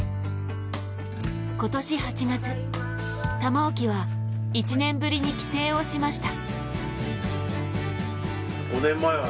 今年８月、玉置は１年ぶりに帰省をしました。